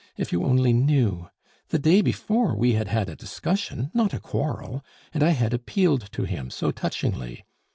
If you only knew! The day before we had had a discussion, not a quarrel, and I had appealed to him so touchingly.